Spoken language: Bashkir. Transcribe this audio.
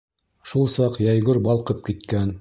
Шул саҡ йәйғор балҡып киткән.